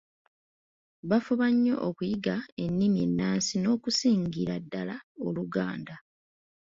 baafuba nnyo okuyiga ennimi ennansi n’okusingira ddala Oluganda